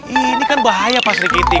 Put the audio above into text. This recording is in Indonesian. ini kan bahaya pasri kiti